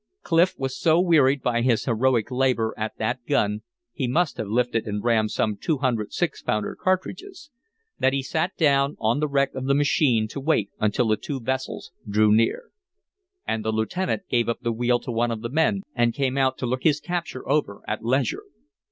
Clif was so wearied by his heroic labor at that gun (he must have lifted and rammed some two hundred six pounder cartridges) that he sat down on the wreck of the machine to wait until the two vessels drew near. And the lieutenant gave up the wheel to one of the men and came out to look his capture over at leisure.